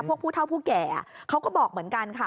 ผู้เท่าผู้แก่เขาก็บอกเหมือนกันค่ะ